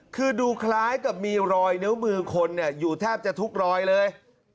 คือดูคล้ายกับมีรอยนิ้วมือคนอยู่แทบจะทุกรอยเลย